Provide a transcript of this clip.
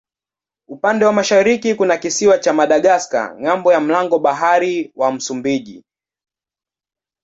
Upande wa mashariki kuna kisiwa cha Madagaska ng'ambo ya mlango bahari wa Msumbiji.